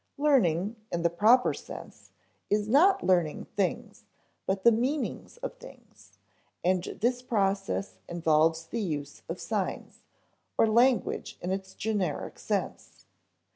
Learning, in the proper sense, is not learning things, but the meanings of things, and this process involves the use of signs, or language in its generic sense.